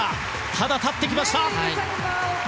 ただ立ってきました。